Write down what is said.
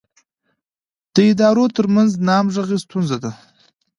د ادارو ترمنځ نه همغږي ستونزه ده.